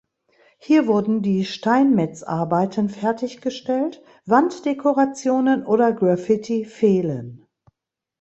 Hier wurden die Steinmetzarbeiten fertiggestellt, Wanddekorationen oder Graffiti fehlen.